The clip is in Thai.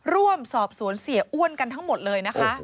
ร่วมสอบสวนเสียอ้วนกันทั้งหมดเลยนะคะ